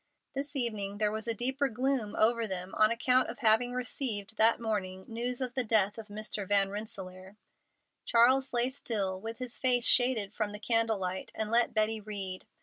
This evening there was a deeper gloom over them on account of having received that morning news of the death of Mr. Van Rensselaer. Charles lay still, with his face shaded from the candlelight, and let Betty read.